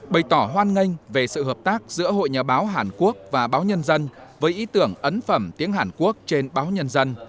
bày tỏ hoan nghênh về sự hợp tác giữa hội nhà báo hàn quốc và báo nhân dân với ý tưởng ấn phẩm tiếng hàn quốc trên báo nhân dân